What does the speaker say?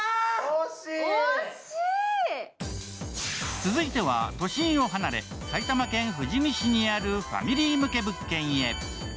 続いては都心を離れ埼玉県富士見市にあるファミリー向け物件へ。